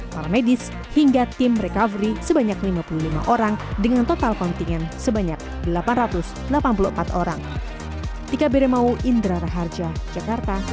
para medis hingga tim recovery sebanyak lima puluh lima orang dengan total kontingen sebanyak delapan ratus delapan puluh empat orang